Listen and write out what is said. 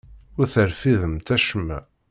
Ur terfidemt acemma.